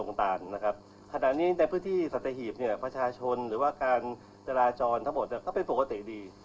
ในพืชที่สัตวิทสัตวิทมีประชาชนฯหรือการเจราตัวจ้อนเป็นปกติดี